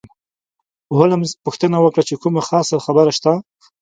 هولمز پوښتنه وکړه چې کومه خاصه خبره شته.